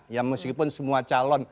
ya meskipun semua calon